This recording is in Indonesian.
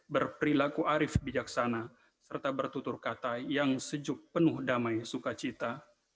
berperilaku arif bijaksana serta bertutur kata yang sejuk penuh damai sukacita